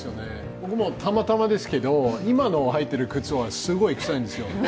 僕もたまたまですけど今の履いてる靴はすごいくさいんですよ。